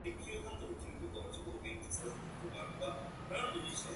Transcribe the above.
Richardson thus sailed with the Walcheren Expedition to the Netherlands in the same month.